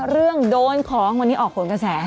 เรื่องโดนของวันนี้ออกผลกระแส